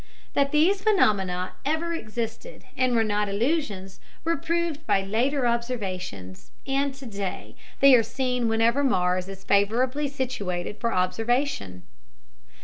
That these phenomena actually existed and were not illusions was proved by later observations, and today they are seen whenever Mars is favorably situated for observation.